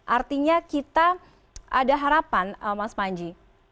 artinya kita ada harapan mas panji